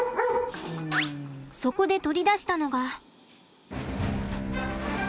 そこで取り出したのが。